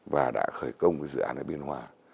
và đã khởi công dự án ở biên hòa